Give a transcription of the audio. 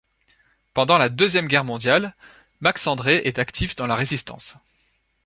Pendant la Deuxième Guerre mondiale, Max André est actif dans la Résistance.